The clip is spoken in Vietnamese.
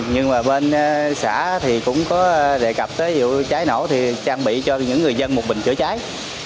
nhưng mà bên xã thì cũng có đề cập tới vụ cháy nổ thì trang bị cho những người dân một bình chữa cháy